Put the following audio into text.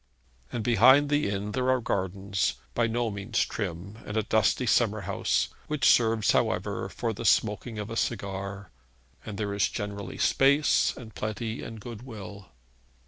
And behind the inn there are gardens, by no means trim, and a dusty summer house, which serves, however, for the smoking of a cigar; and there is generally space and plenty and goodwill.